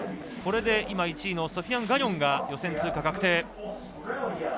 これで今、１位のソフィアン・ガニョンが予選通過、確定。